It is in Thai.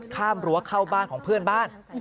เข้าบ้านของเพื่อนบ้าน